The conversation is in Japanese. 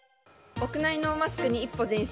屋内ノーマスクに一歩前進。